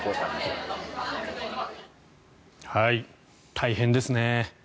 大変ですね。